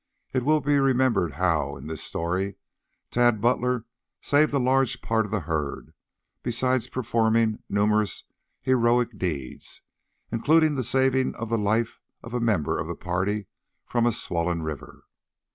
It will be remembered how, in this story, Tad Butler saved a large part of the herd, besides performing numerous heroic deeds, including the saving of the life of a member of the party from a swollen river.